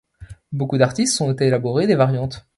Beaucoup d'artistes ont élaboré des variantes.